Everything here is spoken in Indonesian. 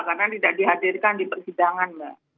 karena tidak dihadirkan di persidangan